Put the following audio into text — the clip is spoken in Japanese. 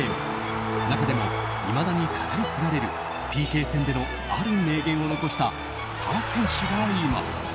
中でも、いまだに語り継がれるＰＫ戦でのある名言を残したスター選手がいます。